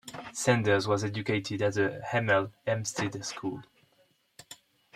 Sanders was educated at The Hemel Hempstead School.